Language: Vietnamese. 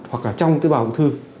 hoặc là trong tế bào ung thư